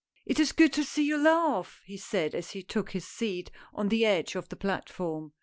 " It is good to see you laugh," he said as he took his seat on the edge of the platform.